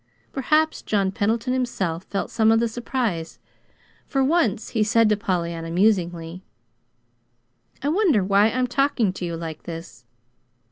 Perhaps John Pendleton himself felt some of the surprise, for once he said to Pollyanna, musingly: "I wonder why I'm talking to you like this."